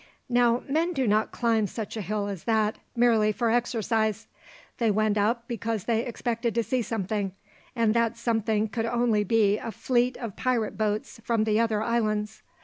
Now, men do not climb such a hill as that merely for exercise. They went up because they expected to see something, and that something could only be a fleet of pirate boats from the other islands.